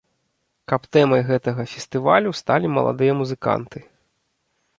Каб тэмай гэтага фестывалю сталі маладыя музыканты.